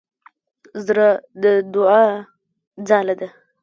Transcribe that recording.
زړه د دوعا ځاله ده.